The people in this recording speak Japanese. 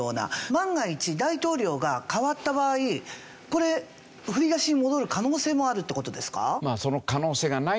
万が一大統領が代わった場合これ振り出しに戻る可能性もあるって事ですか？